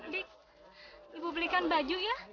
dik ibu belikan baju ya